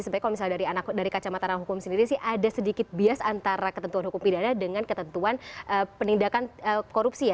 sebenarnya kalau misalnya dari kacamata hukum sendiri sih ada sedikit bias antara ketentuan hukum pidana dengan ketentuan penindakan korupsi ya